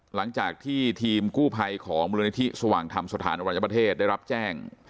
หลังจากที่ทีมกู้ภัยของมูลนิธิสว่างธรรมสถานอรัญญประเทศได้รับแจ้ง